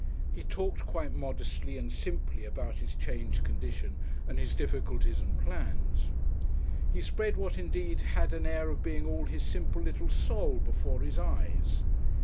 He talked quite modestly and simply about his changed condition and his difficulties and plans. He spread what indeed had an air of being all his simple little soul before his eyes.